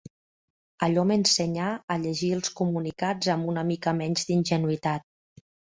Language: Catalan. Allò m'ensenyà a llegir els comunicats amb una mica menys d'ingenuïtat